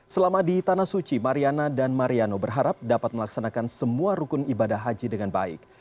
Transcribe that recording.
selama di tanah suci mariana dan mariano berharap dapat melaksanakan semua rukun ibadah haji dengan baik